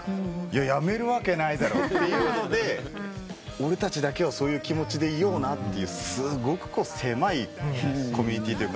やめるわけないだろっていうので俺たちだけはそういう気持ちでいようなってすごく狭いコミュニティーというか。